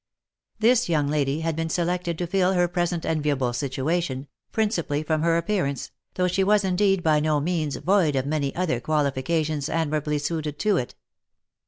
This young lady had been selected to fill her present enviable situation, principally from her appeaiance, though she was indeed by no means void of many other qualifica tions admirably suited to it.